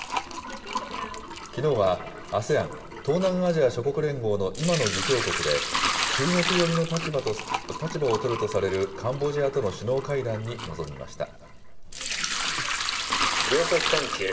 きのうは、ＡＳＥＡＮ・東南アジア諸国連合の今の議長国で、中国寄りの立場を取るとされるカンボジアとの首脳会談に臨みました。